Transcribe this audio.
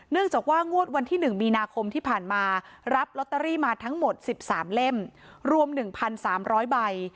จากว่างวดวันที่๑มีนาคมที่ผ่านมารับลอตเตอรี่มาทั้งหมด๑๓เล่มรวม๑๓๐๐ใบ